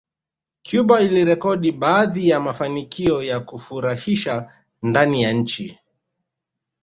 Cuba ilirekodi baadhi ya mafanikio ya kufurahisha ndani ya nchi